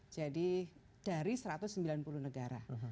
jadi dari satu ratus sembilan puluh negara